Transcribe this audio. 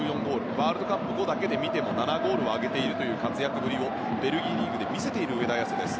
ワールドカップ後でも７ゴールという活躍ぶりを、ベルギーリーグでも見せている上田綺世です。